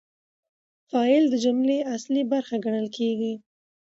فاعل د جملې اصلي برخه ګڼل کیږي.